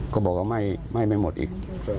เขาบอกว่าไหม้ไม่หมดอีก